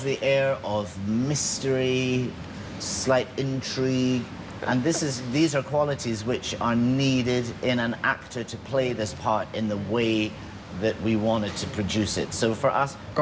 และนี่คือความสำคัญที่ต้องมีในการเปลี่ยนเป็นภาพภายในทางที่เราอยากประดูก